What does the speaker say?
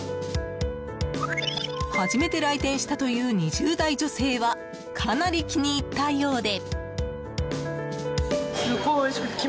初めて来店したという２０代女性はかなり気に入ったようで。